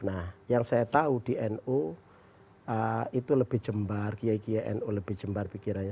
nah yang saya tahu di nu itu lebih jembar qm a'ruf lebih jembar pikirannya